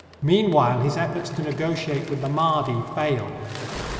Meanwhile, his efforts to negotiate with the Mahdi failed.